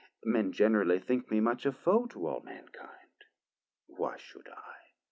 Men generally think me much a foe To all mankind: why should I?